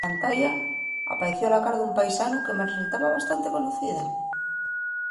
Na pantalla apaeció la cara d'un paisanu que me resultaba bastante conocida.